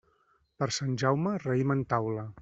Per Sant Jaume, raïm en taula.